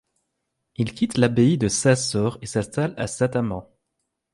Ils quittent l'abbaye de Saint-Sore et s'installent à Saint-Amand.